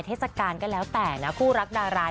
เทศกาลก็แล้วแต่นะคู่รักดารา